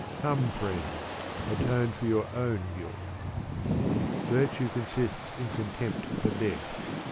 Come, friend, atone for your own guilt. Virtue consists in contempt for death.